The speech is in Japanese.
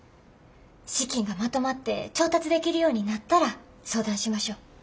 資金がまとまって調達できるようになったら相談しましょう。